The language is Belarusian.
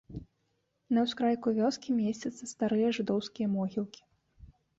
На ўскрайку вёскі месцяцца старыя жыдоўскія могілкі.